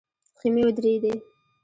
خيمې ودرېدې.